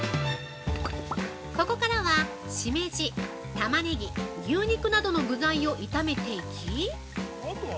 ここからは、しめじ、タマネギ、牛肉などの具材を炒めていき